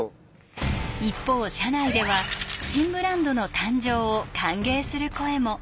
一方社内では新ブランドの誕生を歓迎する声も。